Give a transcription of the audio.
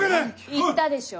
言ったでしょ。